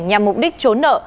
nhằm mục đích trốn nợ